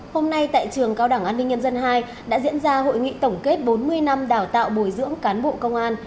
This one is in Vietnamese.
hôm nay tại trường cao đảng an ninh nhân dân hai đã diễn ra hội nghị tổng kết bốn mươi năm đào tạo bồi dưỡng cán bộ công an